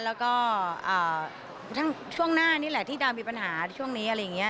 แล้วก็ช่วงหน้านี่แหละที่ดาวมีปัญหาช่วงนี้อะไรอย่างนี้